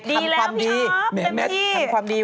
ดีแล้วพี่ออฟเต็มที่ทำความดี